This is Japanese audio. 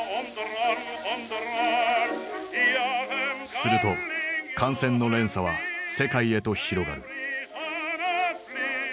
すると感染の連鎖は世界へと広がる。